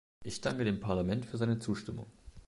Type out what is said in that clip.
Ich danke dem Parlament für seine Zustimmung.